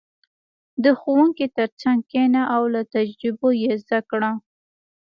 • د ښوونکي تر څنګ کښېنه او له تجربو یې زده کړه.